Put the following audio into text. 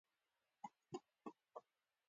ازادو رسنیو چمتو کول ډېر مهم وو.